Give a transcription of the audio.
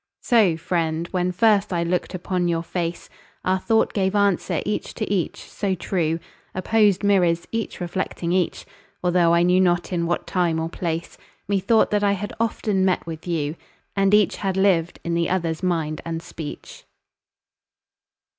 So, friend, when first I look'd upon your face, Our thought gave answer each to each, so true— Opposed mirrors each reflecting each— Altho' I knew not in what time or place, Methought that I had often met with you, And each had lived in the other's mind and speech.